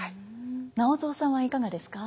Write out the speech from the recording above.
直三さんはいかがですか？